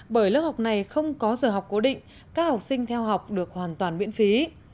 bởi lớp học này không có giờ học cố định các học sinh theo học được hoàn toàn miễn phí